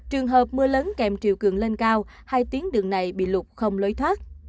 trường hợp mưa lớn kèm triều cường lên cao hai tuyến đường này bị lục không lối thoát